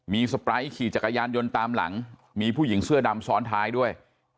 มีสไปร์ขี่จักรยานยนต์ตามหลังมีผู้หญิงเสื้อดำซ้อนท้ายด้วย